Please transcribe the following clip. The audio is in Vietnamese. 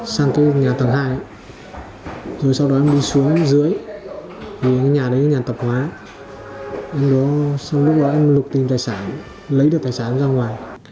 sau đó em đi xuống em dưới nhà đấy là nhà tập hóa sau đó em lục tìm tài sản lấy được tài sản ra ngoài